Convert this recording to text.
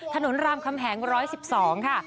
รามคำแหง๑๑๒ค่ะ